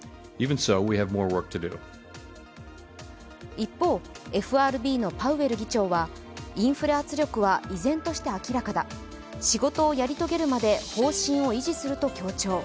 一方、ＦＲＢのパウエル議長はインフレ圧力は依然として明らかだ、仕事をやり遂げるまで方針を維持すると強調。